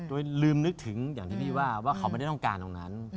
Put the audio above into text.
โดยลืมนึกถึงอย่างที่พี่ว่าว่าเขาไม่ได้ต้องการตรงนั้น